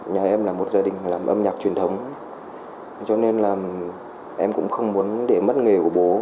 nhà em là một gia đình làm âm nhạc truyền thống cho nên là em cũng không muốn để mất nghề của bố